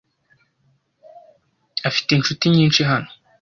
Afite inshuti nyinshi hano.